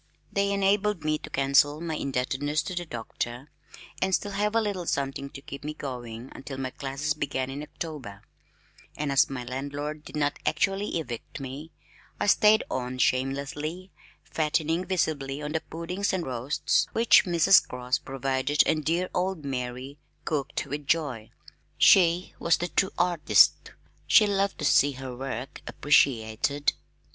They enabled me to cancel my indebtedness to the Doctor, and still have a little something to keep me going until my classes began in October, and as my landlord did not actually evict me, I stayed on shamelessly, fattening visibly on the puddings and roasts which Mrs. Cross provided and dear old Mary cooked with joy. She was the true artist. She loved to see her work appreciated.